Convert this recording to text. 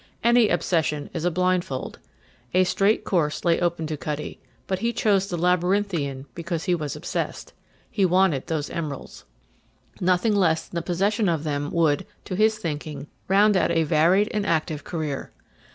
Any obsession is a blindfold. A straight course lay open to Cutty, but he chose the labyrinthian because he was obsessed. He wanted those emeralds. Nothing less than the possession of them would, to his thinking, round out a varied and active career.